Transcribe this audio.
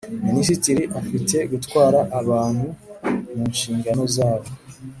minisitiri afite gutwara abantu mu nshingano zabo